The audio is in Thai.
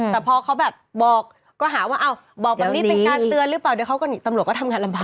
แต่พอเขาแบบบอกก็หาว่าอ้าวบอกแบบนี้เป็นการเตือนหรือเปล่าเดี๋ยวเขาก็หนีตำรวจก็ทำงานลำบาก